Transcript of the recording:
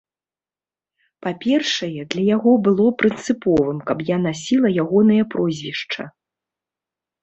Па-першае, для яго было прынцыповым, каб я насіла ягонае прозвішча.